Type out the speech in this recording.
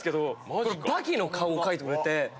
これ刃牙の顔を描いてくれて。